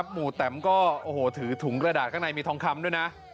หมู่แตมก็โอ้โหถือถุงกระดาษข้างในมีทองคำด้วยนะ